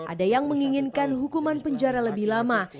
ada yang menginginkan hukuman penjara lebih lama